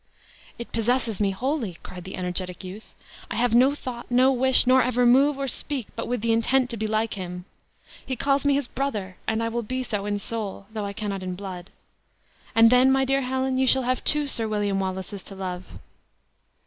"It possesses me wholly," cried the energetic youth; "I have no thought, no wish, nor ever move or speak, but with the intent to be like him. He calls me his brother! and I will be so in soul, though I cannot in blood; and then, my dear Helen, you shall have two Sir William Wallaces to love!"